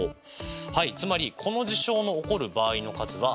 はいつまりこの事象の起こる場合の数は５通りですね。